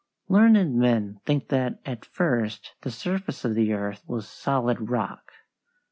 Learned men think that at first the surface of the earth was solid rock.